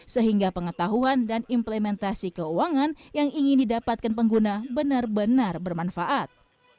sehingga pengetahuan dan implementasi keuangan yang ingin didapatkan pengguna benar benar bermanfaat